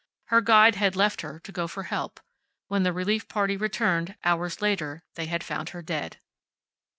Her guide had left her to go for help. When the relief party returned, hours later, they had found her dead.